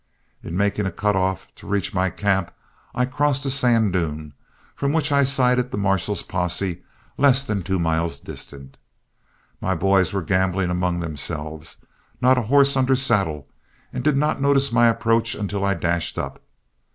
In making a cut off to reach my camp, I crossed a sand dune from which I sighted the marshal's posse less than two miles distant. My boys were gambling among themselves, not a horse under saddle, and did not notice my approach until I dashed up.